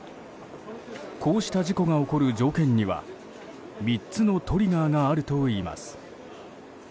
こうした事故が起こる条件には３つのトリガーがあるといいます。